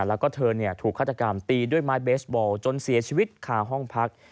แล้วก็เธอถูกฆาตกรรมตีด้วยไม้เบสบอลจนเสียชีวิตคาห้องพัก